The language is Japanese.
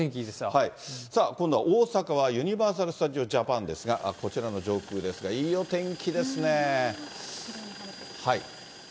さあ、今度は大阪はユニバーサル・スタジオ・ジャパンですが、こちらの上空ですが、いいお天気ですね。